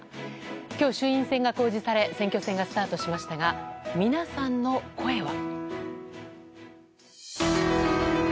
今日、衆院選が告示され選挙戦がスタートしましたが皆さんの声は。